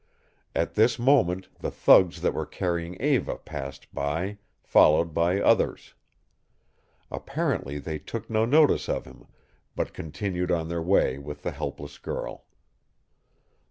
At this moment the thugs that were carrying Eva passed by, followed by others. Apparently they took no notice of him, but continued on their way with the helpless girl.